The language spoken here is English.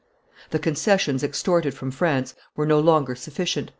The concessions extorted from France were no longer sufficient: M.